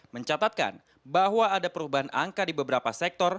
mencatatkan bahwa ada perubahan angka di beberapa sektor